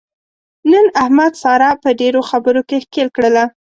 نن احمد ساره په ډېرو خبرو کې ښکېل کړله.